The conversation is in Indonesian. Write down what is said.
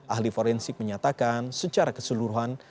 ahli forensik menyatakan secara keseluruhan